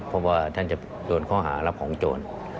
เพราะว่าท่านจะโดนข้อหารับของโจร